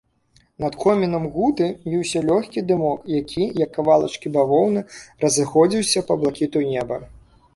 Над комінам гуты віўся лёгкі дымок, які, як кавалачкі бавоўны, разыходзіўся па блакіту неба.